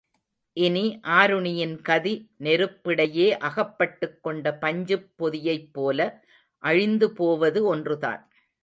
இனி ஆருணியின் கதி, நெருப்பிடையே அகப்பட்டுக்கொண்ட பஞ்சுப்பொதியைப் போல அழிந்து போவது ஒன்றுதான்.